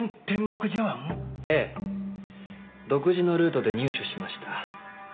独自のルートで入手しました。